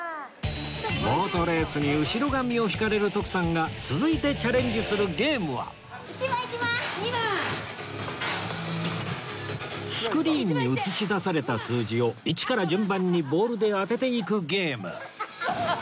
ボートレースに後ろ髪を引かれる徳さんがスクリーンに映し出された数字を１から順番にボールで当てていくゲーム